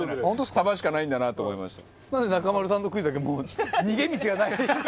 サバしかないんだなと思いました。